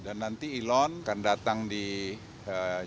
dan nanti elon akan datang di jepang